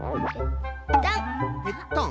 ペッタン。